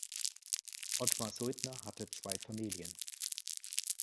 Otmar Suitner hatte zwei Familien.